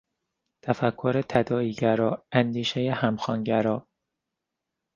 تفکر تداعی گرا، اندیشهی همخوانگرا